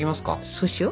そうしよ。